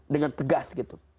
dengan tegas gitu